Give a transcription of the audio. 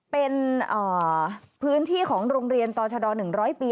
พื้นที่ของโรงเรียนตรชะดอ๑๐๐ปี